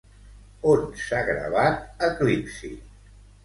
On s'ha gravat, Eclipsi?